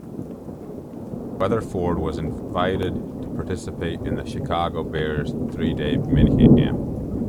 Weatherford was invited to participate in the Chicago Bears three-day mini camp.